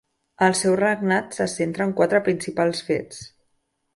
El seu regnat se centra en quatre principals fets.